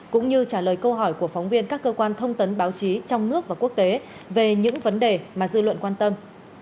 cũng như trả lời câu hỏi của phóng viên các cơ quan thông tấn báo chí trong nước và quốc tế về những vấn đề mà dư luận quan tâm